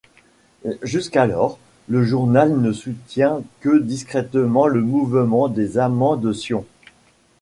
Jusqu'alors, le journal ne soutient que discrètement le mouvement des Amants de Sion.